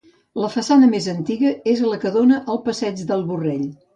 La façana més antiga és la que dóna al Passeig del Borrell.